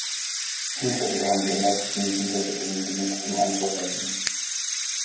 Unzählige haben die erleichterten Visabedingungen genutzt, um einzureisen.